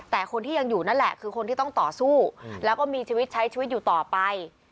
แต่คนที่ยังอยู่นั่นแหละคือคนที่ต้องต่อสู้แล้วก็มีชีวิตใช้ชีวิตอยู่ต่อไป